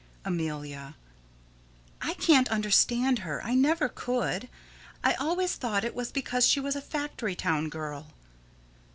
Amelia: I can't understand her. I never could. I always thought it was because she was a factory town girl.